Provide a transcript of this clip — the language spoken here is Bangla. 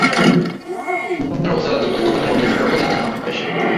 উইসকনসিনের ওসেওলাতে উৎপাদিত উপাদান এবং মিনেসোটার রোজোতে যানবাহন সমাবেশ।